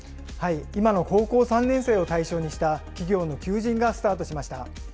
今の高校３年生を対象にした企業の求人がスタートしました。